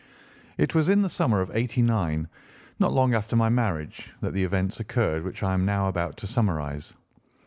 It was in the summer of '89, not long after my marriage, that the events occurred which I am now about to summarise.